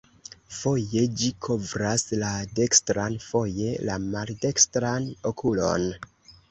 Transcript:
Foje ĝi kovras la dekstran, foje la maldekstran okulon.